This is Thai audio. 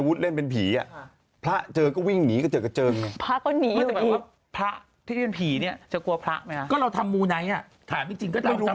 คือชินชินาวุฒิแท์เป็นผี